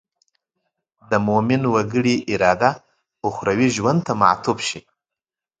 د مومن وګړي اراده اخروي ژوند ته معطوف شي.